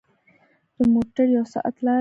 د موټر یو ساعت لاره ده.